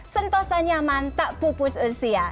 sentosa nyaman tak pupus usia